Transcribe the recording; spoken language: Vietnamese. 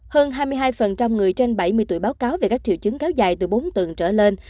hơn hai mươi hai người trên bảy mươi tuổi báo cáo về các triệu chứng kéo dài từ bốn tầng trở lên